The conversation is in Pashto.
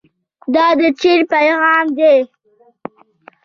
دا د چین پیغام دی.